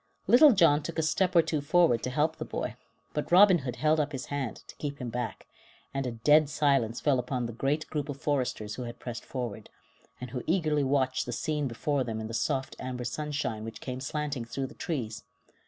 Little John took a step or two forward to help the boy, but Robin Hood held up his hand to keep him back, and a dead silence fell upon the great group of foresters who had pressed forward, and who eagerly watched the scene before them in the soft, amber sunshine which came slanting through the trees.